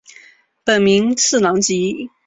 本名次郎吉。